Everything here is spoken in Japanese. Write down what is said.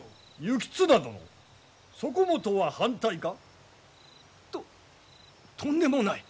行綱殿そこもとは反対か？ととんでもない。